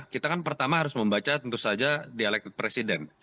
kita kan pertama harus membaca tentu saja dialektif presiden